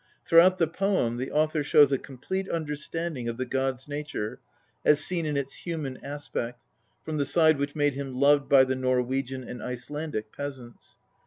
Throughout the poem the author shows a complete understanding of the god's nature, as seen in its human aspect, from the side which made him loved by the Norwegian and Icelandic peasant's.